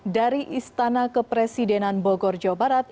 dari istana kepresidenan bogor jawa barat